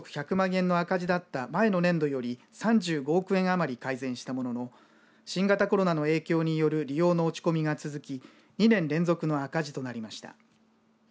円の赤字だった前の年度より３５億円余り改善したものの新型コロナの影響による利用の落ち込みが続き２年連続の赤字となりました。